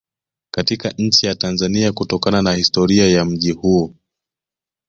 Katika nchi ya Tanzania kutokana na historia ya mji huo